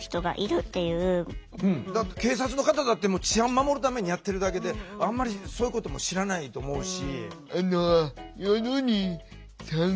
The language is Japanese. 警察の方だって治安守るためにやってるだけであんまりそういうことも知らないと思うし。